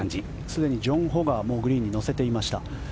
すでにジョン・ホがグリーンに乗せていました。